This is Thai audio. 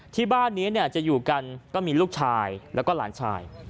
ที่บ้านนี้จะอยู่กันก็มีลูกชายแล้วก็หลานชาย